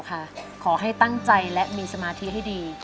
ขอให้ตั้งใจและมีสมาธิให้ดี